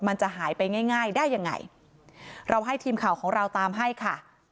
มันจะหายไปง่ายง่ายได้ยังไงเราให้ทีมข่าวของเราตามให้ค่ะ